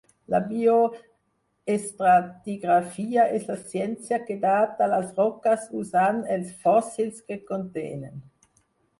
La bioestratigrafia és la ciència que data les roques usant els fòssils que contenen.